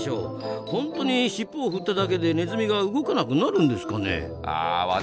本当にしっぽを振っただけでネズミが動かなくなるんですかね？